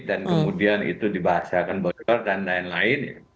dan kemudian itu dibahasakan bocor dan lain lain